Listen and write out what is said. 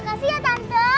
makasih ya tante